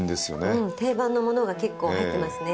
うん定番のものが結構入ってますね。